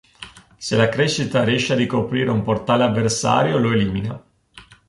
Se la crescita riesce a ricoprire un portale avversario lo elimina.